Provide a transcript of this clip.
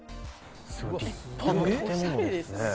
立派な建物ですね。